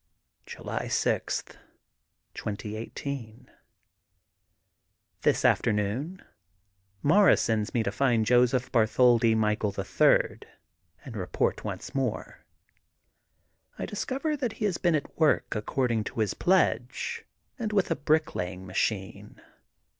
July 6, 2018: — This afternoon Mara sends me to find Joseph Bartholdi Michael, the Third, and report once more. I discover that he has been at work according to his pledge, and with a bricklaying machine.